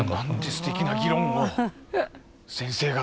すてきな議論を先生方！